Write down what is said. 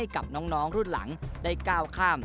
กับน้องรุ่นหลังได้ก้าวข้าม